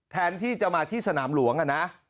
แทนที่จะมาที่สนามหลวงนะ